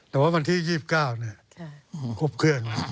แต่ว่าวันที่๒๙ครบเครื่องแล้ว